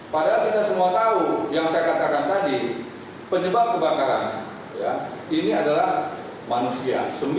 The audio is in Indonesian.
padahal kita semua tahu yang saya katakan tadi penyebab kebakaran ini adalah manusia